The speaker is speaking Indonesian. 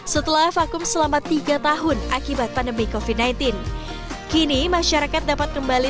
dua ribu dua puluh tiga setelah vakum selama tiga tahun akibat pandemi covid sembilan belas kini masyarakat dapat kembali